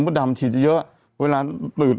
ดำฉีดเยอะเวลาตื่น